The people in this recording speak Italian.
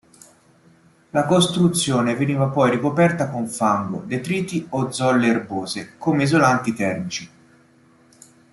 La costruzione veniva poi ricoperta con fango, detriti o zolle erbose come isolanti termici.